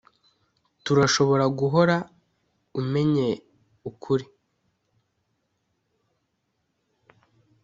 turashobora guhora umenya ukuri